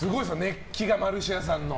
熱気が、マルシアさんの。